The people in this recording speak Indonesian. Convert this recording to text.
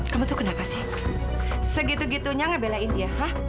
kamu tuh kenapa sih segitu gitunya ngebelain dia